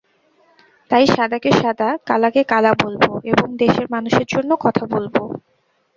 তাই সাদাকে সাদা, কালাকে কালা বলব এবং দেশের মানুষের জন্য কথা বলব।